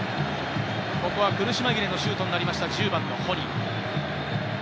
ここは苦し紛れのシュートになりました、１０番のホニ。